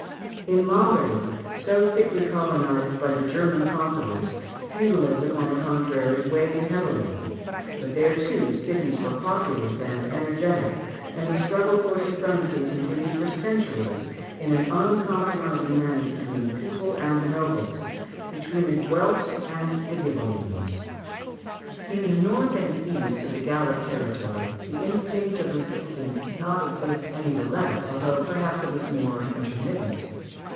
In Lombardy, so thickly colonised by the German conquerors, feudalism, on the contrary, weighed heavily; but there, too, the cities were populous and energetic, and the struggle for supremacy continued for centuries in an uncompromising manner between the people and the nobles, between the Guelphs and the Ghibellines. In the north and east of the Gallic territory, the instinct of resistance did not exist any the less, though perhaps it was more intermittent.